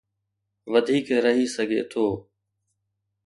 وڌيڪ رهي سگهي ٿو.